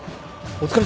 お疲れ。